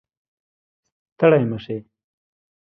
ستړی مشې